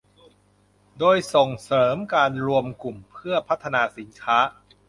โดยส่งเสริมการรวมกลุ่มเพื่อพัฒนาสินค้า